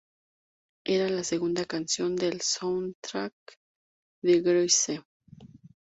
Era la segunda canción del "soundtrack" de "Grease".